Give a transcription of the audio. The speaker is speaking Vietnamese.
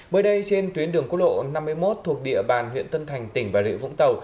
mới đây trên tuyến đường quốc lộ năm mươi một thuộc địa bàn huyện tân thành tỉnh bà rịa vũng tàu